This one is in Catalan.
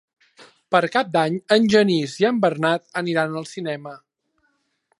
Per Cap d'Any en Genís i en Bernat aniran al cinema.